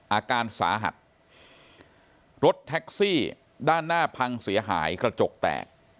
อาการสาหัสรถแท็กซี่ด้านหน้าพังเสียหายกระจกแตก